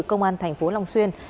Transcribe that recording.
công an thành phố long xuyên